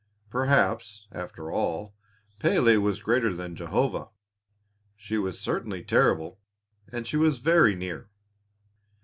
Perhaps, after all, Pélé was greater than Jehovah she was certainly terrible and she was very near!